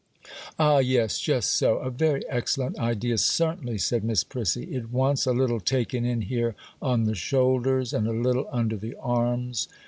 'Ah, yes,—just so,—a very excellent idea, certainly,' said Miss Prissy. 'It wants a little taken in here on the shoulders, and a little under the arms.